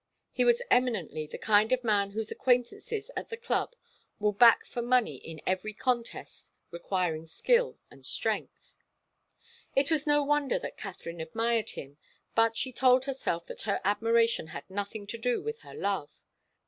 He was eminently the kind of man whose acquaintances at the club will back for money in every contest requiring skill and strength. It was no wonder that Katharine admired him. But she told herself that her admiration had nothing to do with her love.